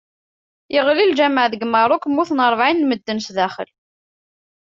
Yeɣli lǧameɛ deg Merruk, mmuten rebɛin n medden sdaxel.